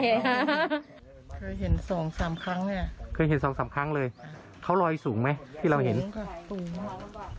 เคยเห็นสองสามครั้งเนี่ยเคยเห็นสองสามครั้งเลยเขาลอยสูงไหมที่เราเห็นสูงค่ะสูงค่ะ